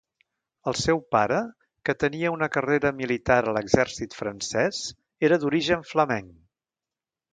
El seu pare, que tenia una carrera militar a l'exèrcit francès, era d'origen flamenc.